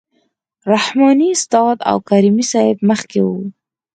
رحماني استاد او کریمي صیب مخکې وو.